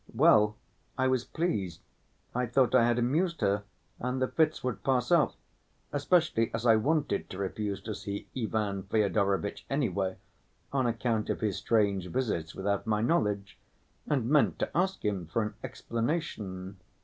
Well, I was pleased; I thought I had amused her and the fits would pass off, especially as I wanted to refuse to see Ivan Fyodorovitch anyway on account of his strange visits without my knowledge, and meant to ask him for an explanation.